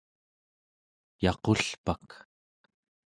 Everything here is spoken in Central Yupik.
yaqulpak